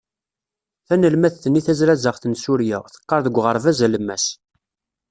Tanelmadt-nni tazrazaɣt n Surya, teqqar deg uɣerbaz alemmas.